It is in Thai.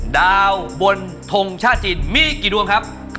ดาวบนทรงชาชนมีกี่ดวงครับ